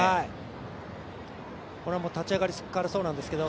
これは立ち上がりからそうなんですけど。